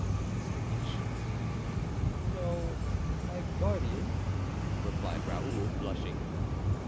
asked De Guiche. "No, my guardian," replied Raoul, blushing.